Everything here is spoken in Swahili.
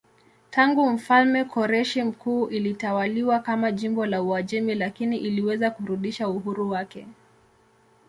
Tangu mfalme Koreshi Mkuu ilitawaliwa kama jimbo la Uajemi lakini iliweza kurudisha uhuru wake.